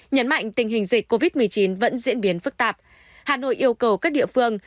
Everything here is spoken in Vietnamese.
nhấn mạnh tình hình dịch covid một mươi chín vẫn diễn biến phức tạp hà nội yêu cầu các địa phương